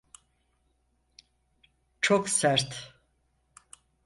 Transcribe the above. Çok sert.